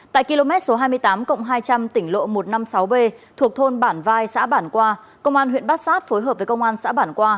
tại km số hai mươi tám hai trăm linh tỉnh lộ một trăm năm mươi sáu b thuộc thôn bản vai xã bản qua công an huyện bát sát phối hợp với công an xã bản qua